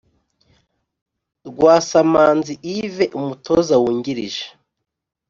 Rwasamanzi Yves (Umutoza wungirije)